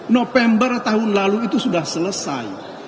november tahun lalu itu sudah selesai